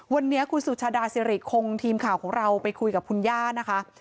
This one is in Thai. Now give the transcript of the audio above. วันนี้คุณสุชาดาสิริคงทีมข่าวของเราไปคุยกับคุณย่านะคะ